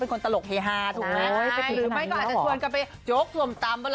เพราะปอโกหกแน่